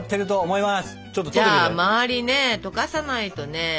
周りね溶かさないとね